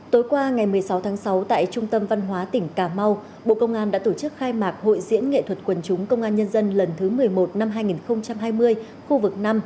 tối qua ngày một mươi sáu tháng sáu tại trung tâm văn hóa tỉnh cà mau bộ công an đã tổ chức khai mạc hội diễn nghệ thuật quần chúng công an nhân dân lần thứ một mươi một năm hai nghìn hai mươi khu vực năm